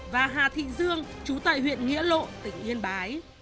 và hà thị dương chú tại huyện nghĩa lộ tỉnh yên bái